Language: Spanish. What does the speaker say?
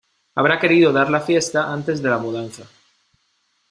Habrá querido dar la fiesta antes de la mudanza.